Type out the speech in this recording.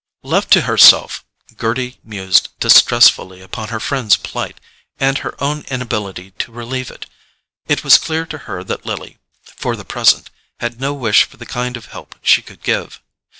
Left to herself, Gerty mused distressfully upon her friend's plight, and her own inability to relieve it. It was clear to her that Lily, for the present, had no wish for the kind of help she could give.